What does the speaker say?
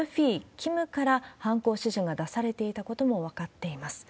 キムから犯行指示が出されていたことも分かっています。